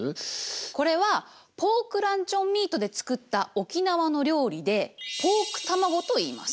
これはポークランチョンミートで作った沖縄の料理でポークたまごといいます。